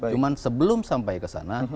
cuman sebelum sampai kesana